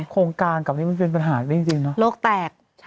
โครงการกับนี้มันเป็นปัญหาได้จริงเนอะโลกแตก